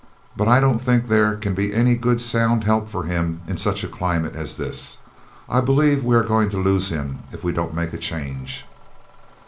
But I don't think there can be any good sound help for him in such a climate as this. I believe we are going to lose him if we don't make a change."